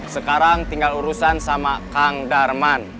sekarang tinggal urusan sama kang darman